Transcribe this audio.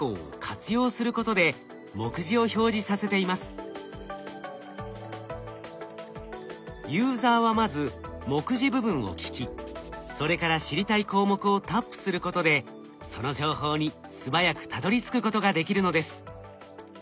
このサービスではＣｈａｔＧＰＴのユーザーはまず目次部分を聞きそれから知りたい項目をタップすることでその情報に素早くたどりつくことができるのです。